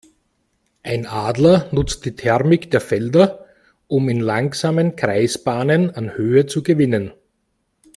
Ein Adler nutzt die Thermik der Felder, um in langsamen Kreisbahnen an Höhe zu gewinnen.